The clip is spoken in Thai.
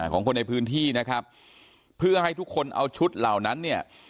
ของคนในพื้นที่นะครับเพื่อให้ทุกคนเอาชุดเหล่านั้นเนี่ย